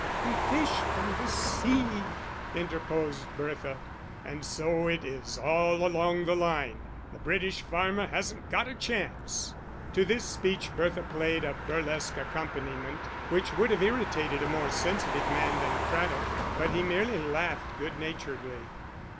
"Your fish from the sea," interposed Bertha. "And so it is all along the line the British farmer hasn't got a chance!" To this speech Bertha played a burlesque accompaniment, which would have irritated a more sensitive man than Craddock; but he merely laughed good naturedly.